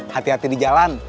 hati hati di jalan